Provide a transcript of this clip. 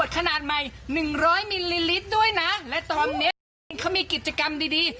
ขนาดใหม่๑๐๐มิลลิลิตรด้วยนะและตอนนี้ดิฉันเขามีกิจกรรมดีดี